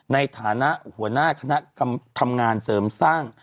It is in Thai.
ในฐานะหัวหน้าคณะทำงานเสริมสร้าง